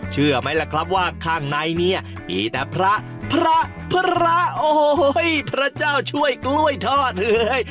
เชื่อไหมล่ะครับว่าข้างในเนี่ยมีแต่พระพระโอ้โหพระเจ้าช่วยกล้วยทอดเฮ้ย